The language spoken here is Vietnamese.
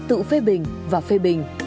tự phê bình và phê bình